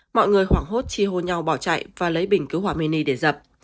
mọi người hoảng hốt chi hô nhau bỏ chạy và lấy bình cứu hỏa mini để dập